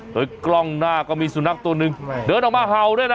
กล้องหน้าก็มีสุนัขตัวหนึ่งเดินออกมาเห่าด้วยนะ